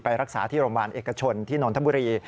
รักษาที่โรงพยาบาลเอกชนที่นนทบุรี